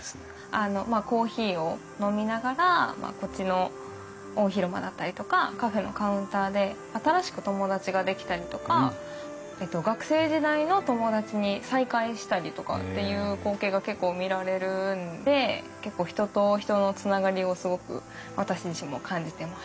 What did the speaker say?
あのまあコーヒーを飲みながらこっちの大広間だったりとかカフェのカウンターで新しく友達が出来たりとか学生時代の友達に再会したりとかっていう光景が結構見られるので結構人と人のつながりをすごく私自身も感じてます。